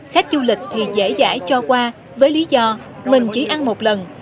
khách du lịch thì dễ dãi cho qua với lý do mình chỉ ăn một lần